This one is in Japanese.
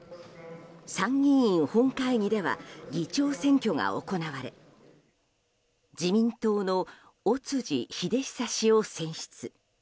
参議院本会議では議長選挙が行われ自民党の尾辻秀久氏を選出。